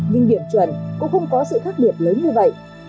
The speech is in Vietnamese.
nhưng điểm chuẩn cũng không có sự khác biệt lớn như vậy